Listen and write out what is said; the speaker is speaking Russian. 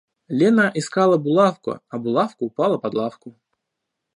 Лена искала булавку, а булавка упала под лавку.